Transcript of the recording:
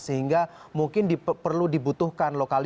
sehingga mungkin perlu dibutuhkan lokalisasi